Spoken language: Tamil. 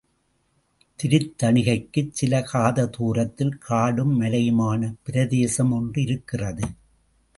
திருத்தணிகைக்கு சில காத தூரத்திலே காடும் மலையுமான பிரதேசம் ஒன்றிருக்கிறது.